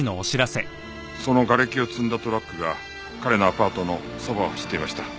その瓦礫を積んだトラックが彼のアパートのそばを走っていました。